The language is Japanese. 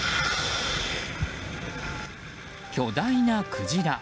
巨大なクジラ。